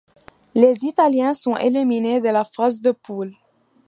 Les Italiens sont éliminés dès la phase de poule.